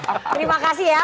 oke terima kasih ya